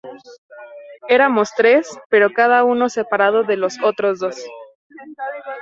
Éramos tres, pero cada uno separado de los otros dos.